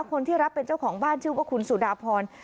คนที่รับเป็นเจ้าของบ้านชื่อว่าคุณสุดาพร